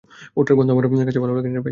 ওটার গন্ধ আমার কাছে ভালো লাগেনি।